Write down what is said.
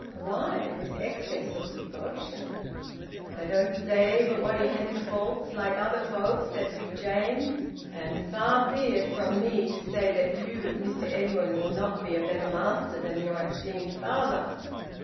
Why this excess of devotion? "I don't say but what he had his faults like other folk," said Big James. "And far be it from me to say that you, Mr Edwin, will not be a better master than your esteemed father.